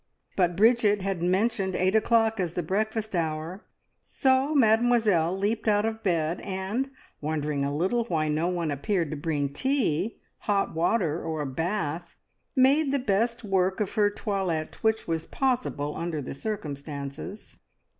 But Bridget had mentioned eight o'clock as the breakfast hour, so Mademoiselle leaped out of bed, and, wondering a little why no one appeared to bring tea, hot water, or a bath, made the best work of her toilet which was possible under the circumstances.